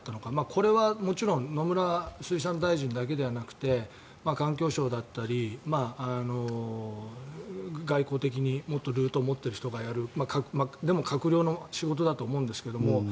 これはもちろん野村水産大臣だけじゃなくて環境省だったり外交的にもっとルートを持っている人がやるでも、閣僚の仕事だと思うんですけど。